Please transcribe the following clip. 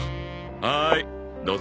はいどうぞ。